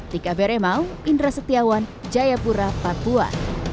tika beremau indra setiawan jayapura papua